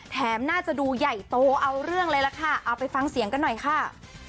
น่าจะดูใหญ่โตเอาเรื่องเลยล่ะค่ะเอาไปฟังเสียงกันหน่อยค่ะ